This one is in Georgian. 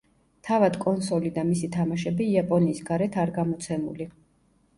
თავად კონსოლი და მისი თამაშები იაპონიის გარეთ არ გამოცემული.